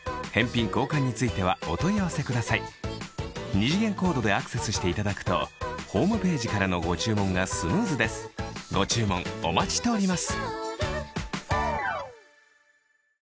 二次元コードでアクセスしていただくとホームページからのご注文がスムーズですご注文お待ちしております